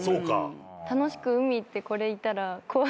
楽しく海行ってこれいたら怖過ぎます。